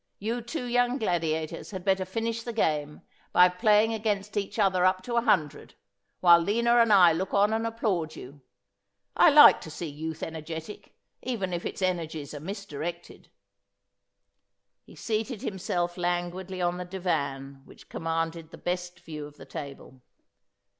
You two young gladiators had better finish the game by playing against each other up to a hundred, while Lina and I look on and applaud you. I like to see youth energetic, even if its energies are misdirected.' He seated himself languidly on the divan which commanded the best view of the table.